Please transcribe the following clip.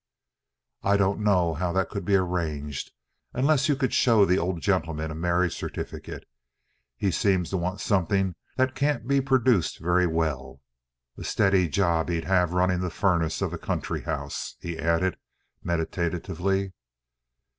"I don't know how that could be arranged unless you could show the old gentleman a marriage certificate. He seems to want something that can't be produced very well. A steady job he'd have running the furnace of a country house," he added meditatively.